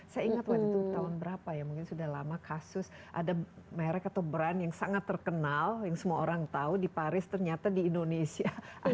saya ingat waktu itu tahun berapa ya mungkin sudah lama kasus ada merek atau brand yang sangat terkenal yang semua orang tahu di paris ternyata di indonesia